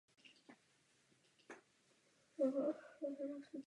Původní obyvatelé a místní vlastníci půdy se proti výstavbě začali bránit právní cestou.